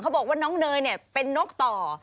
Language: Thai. เขาบอกว่าน้องเนยเป็นนกต่อ